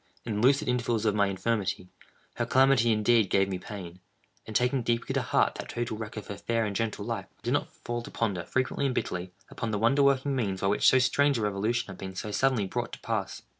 In the lucid intervals of my infirmity, her calamity, indeed, gave me pain, and, taking deeply to heart that total wreck of her fair and gentle life, I did not fail to ponder, frequently and bitterly, upon the wonder working means by which so strange a revolution had been so suddenly brought to pass.